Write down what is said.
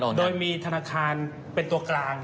โดยมีธนาคารเป็นตัวกลาง